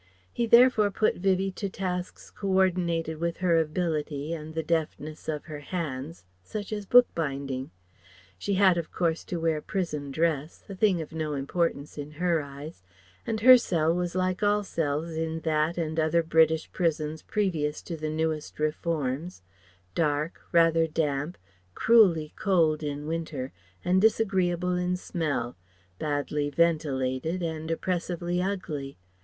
He therefore put Vivie to tasks co ordinated with her ability and the deftness of her hands such as book binding. She had of course to wear prison dress a thing of no importance in her eyes and her cell was like all the cells in that and other British prisons previous to the newest reforms dark, rather damp, cruelly cold in winter, and disagreeable in smell; badly ventilated and oppressively ugly.